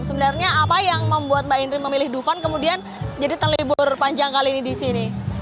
sebenarnya apa yang membuat mbak indri memilih duvan kemudian jadi terlibur panjang kali ini di sini